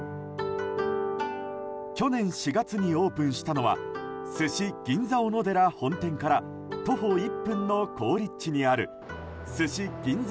去年４月にオープンしたのは鮨銀座おのでら本店から徒歩１分の好立地にある鮨銀座